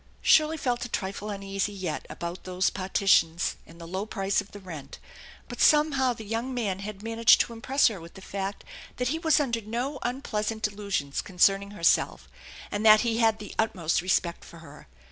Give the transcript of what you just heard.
Shirley felt a trifle uneasy yet about those partitions and the low price of the rent, but somehow the young man had managed to impress her with the fact that he was under no unpleasant delusions concerning herself and that he had the utmost respect for her.